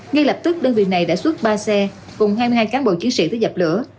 ngay lập tức đơn vị này đã xuất ba xe cùng hai mươi hai cán bộ chiến sĩ tới dập lửa